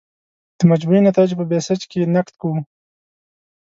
د مجموعي نتایجو په بیسج کې نقد کوو.